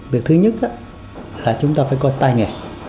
việc thứ nhất là chúng ta phải coi tai nghề